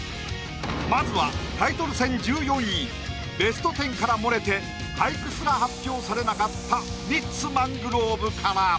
まずはタイトル戦１４位ベスト１０から漏れて俳句すら発表されなかったミッツ・マングローブから。